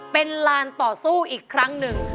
เป็นลานต่อสู้อีกครั้งหนึ่ง